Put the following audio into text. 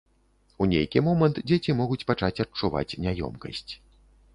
У нейкі момант дзеці могуць пачаць адчуваць няёмкасць.